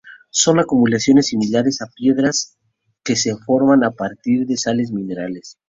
Son acumulaciones similares a piedras que se forman a partir de sales minerales.